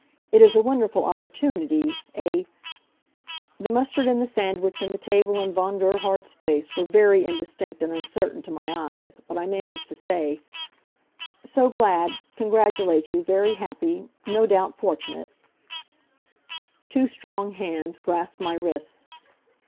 It is a wonderful opportunity, a " The mustard and the sandwich and the table and Von Gerhard's face were very indistinct and uncertain to my eyes, but I managed to say: "So glad congratulate you very happy no doubt fortunate " Two strong hands grasped my wrists.